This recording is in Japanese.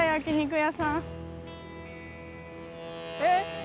えっ！